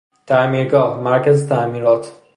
تعمیرگاه، مرکز تعمیرات